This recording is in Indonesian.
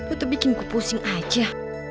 itu bikin kupusing aja